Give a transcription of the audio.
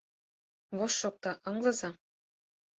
Вошт шокта, ыҥлыза: